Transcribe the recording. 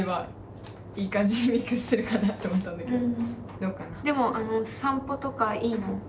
どうかな？